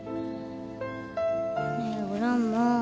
ねえグランマ。